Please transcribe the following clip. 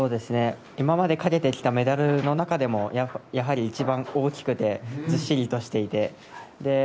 今までかけてきたメダルの中でもやはり一番大きくて、ずっしりとしていて。